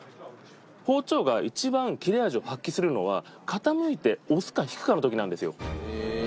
包丁が一番切れ味を発輝するのは傾いて押すか引くかの時なんですよ。